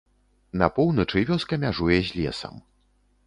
На поўначы вёска мяжуе з лесам.